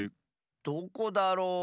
どこだろう？